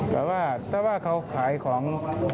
แต่ว่าถ้าว่าเขาขายของ